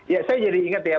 ya saya jadi ingat ya